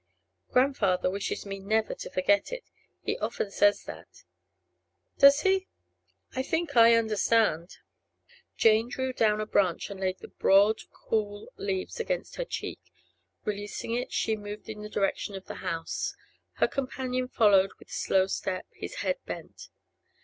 'Grandfather wishes me never to forget it. He often says that.' 'Does he? I think I understand.' Jane drew down a branch and laid the broad cool leaves against her cheek; releasing it, she moved in the direction of the house. Her companion followed with slow step, his head bent.